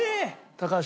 高橋